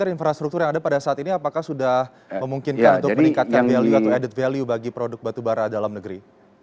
infrastruktur yang ada pada saat ini apakah sudah memungkinkan untuk meningkatkan value atau added value bagi produk batubara dalam negeri